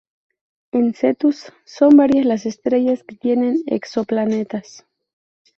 En Cetus son varias las estrellas que tienen exoplanetas.